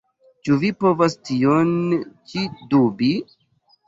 Ĉu vi povas tion ĉi dubi?